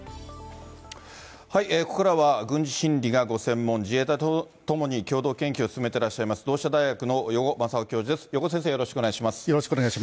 ここからは軍事心理がご専門、自衛隊と共に共同研究を進めてらっしゃいます、同志社大学の余語真夫教授です、よろしくお願いします。